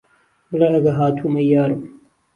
بڵی ئهگه هاتوم ئهی یارم